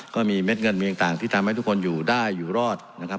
เม็ดเงินมีต่างที่ทำให้ทุกคนอยู่ได้อยู่รอดนะครับ